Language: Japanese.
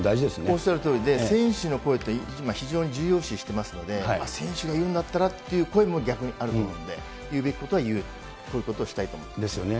おっしゃるとおりで、選手の声って今非常に重要視していますので、選手が言うんだったらっていう声も逆にあると思うんで、言うべきことは言う、そういうことをしたいと思ってます。ですよね。